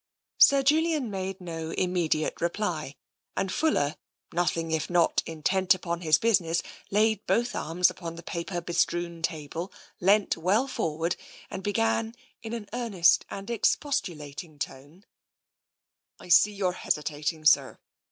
" Sir Julian made no immediate reply, and Fuller, nothing if not intent upon his business, laid both arms upon the paper bestrewn table, leant well forward, and began in an earnest and expostulating tone: " I see you're hesitating, sir.